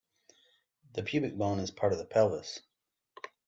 The pubic bone is part of the pelvis.